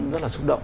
rất là xúc động